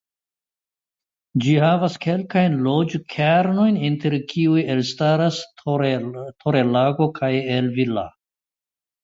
Ĝi havas kelkajn loĝkernojn inter kiuj elstaras Torrelago kaj El Villar.